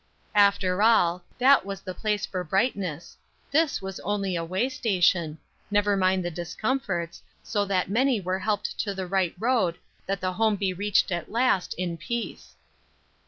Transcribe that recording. After all, that was the place for brightness. This was only a way station; never mind the discomforts, so that many were helped to the right road that the home be reached at last, in peace.